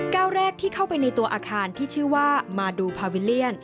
ก้าวแรกที่เข้าไปในตัวอาคารที่ชื่อว่ามาดูพาวิลเลียน